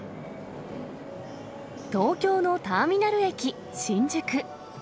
東京のターミナル駅、新宿。